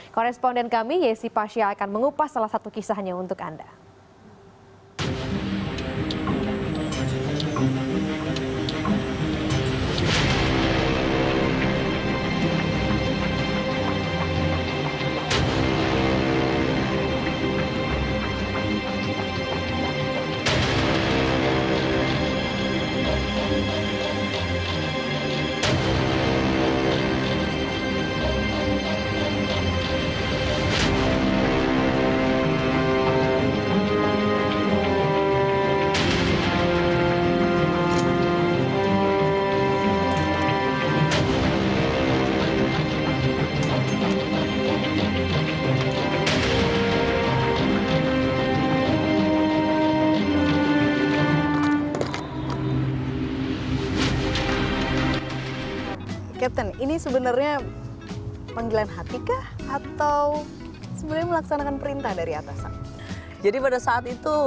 koresponden kami yesi pasha akan mengupas salah satu kisahnya untuk anda